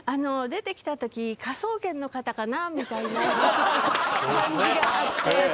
出てきたとき「科捜研の方かな？」みたいな感じがあって。